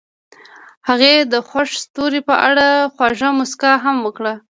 هغې د خوښ ستوري په اړه خوږه موسکا هم وکړه.